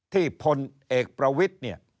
พลเอกประวิทย์เนี่ย